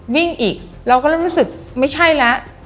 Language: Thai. วิ่งอีกเราก็เริ่มรู้สึกไม่ใช่แล้ว